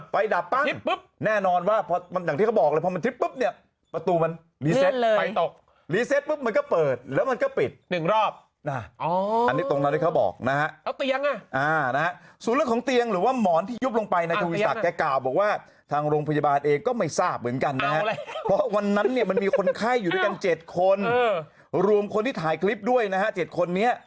ไฟดับปั้งแน่นอนว่าอย่างที่เค้าบอกเลยพอมันทริปปุ๊บเนี่ย